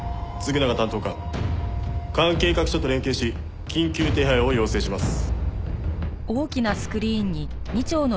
嗣永担当官関係各所と連携し緊急手配を要請します。